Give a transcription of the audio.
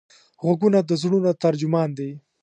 غوږونه د زړونو ترجمان دي